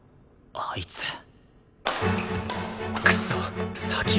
あいつ。